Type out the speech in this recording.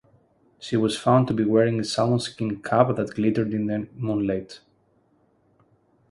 She was found to be wearing a salmon-skin cap that glittered in the moonlight.